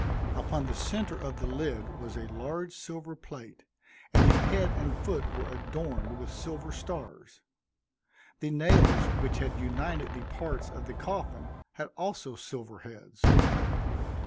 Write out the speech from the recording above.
Upon the centre of the lid was a large silver plate, and the head and foot were adorned with silver stars. The nails which had united the parts of the coffin had also silver heads.